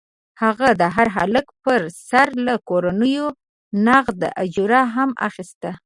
هغه د هر هلک پر سر له کورنیو نغده اجوره هم اخیسته.